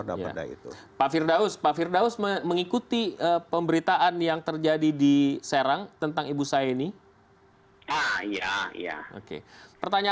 dan maaf lho pak ter deadline ruangfurnya